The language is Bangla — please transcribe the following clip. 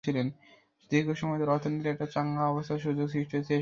দীর্ঘ সময় ধরে অর্থনীতির একটা চাঙা অবস্থার সুযোগে সৃষ্টি হয়েছিল এসব ফাটল।